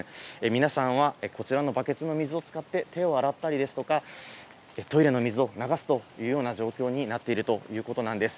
皆さんはこちらのバケツの水を使って手を洗ったりですとか、トイレの水を流すというような状況になっているということなんです。